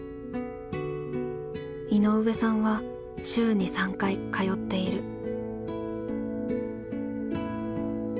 井上さんは週に３回通っている。